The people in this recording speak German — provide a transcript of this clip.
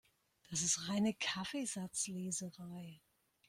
Das ist reine Kaffeesatzleserei.